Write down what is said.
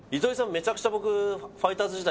めちゃくちゃ僕ファイターズ時代